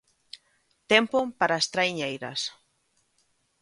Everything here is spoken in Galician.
Tempo para as traiñeiras.